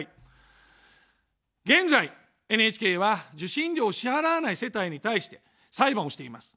現在、ＮＨＫは受信料を支払わない世帯に対して裁判をしています。